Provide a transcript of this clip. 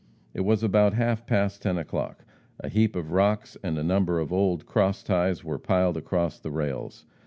It was about half past ten o'clock. A heap of rocks and a number of old cross ties were piled across the rails.